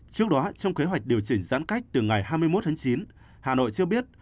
trước đó trong kế hoạch điều chỉnh giãn cách từ ngày hai mươi một tháng chín hà nội cho biết